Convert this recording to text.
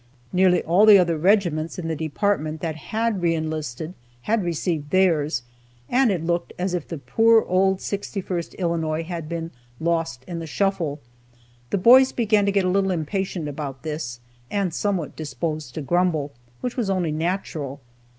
Nearly all the other regiments in the department that had re enlisted had received theirs, and it looked as if the poor old 61st Illinois had been "lost in the shuffle." The boys began to get a little impatient about this, and somewhat disposed to grumble, which was only natural.